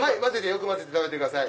よく混ぜて食べてください。